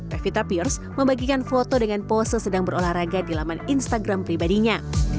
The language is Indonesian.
revita pierce membagikan foto dengan pose sedang berolahraga di laman instagram pribadinya